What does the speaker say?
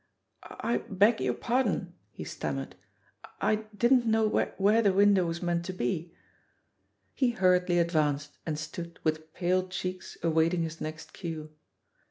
"I beg yoiu' pardon," he stammered ; "I didn't know where the window was meant to be." He hurriedly advanced, and stood, with pale cheeks, awaiting his next cue.